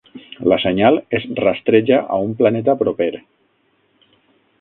La senyal es rastreja a un planeta proper.